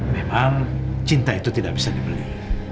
memang cinta itu tidak bisa dibeli